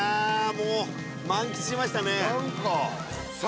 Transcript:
もう満喫しましたね